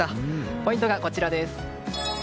ポイントがこちらです。